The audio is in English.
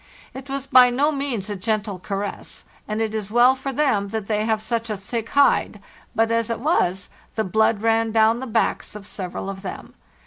It was by no means a gentle caress, and it is well for them that they have such a thick hide; but, as it was, the blood ran down the backs of several of them.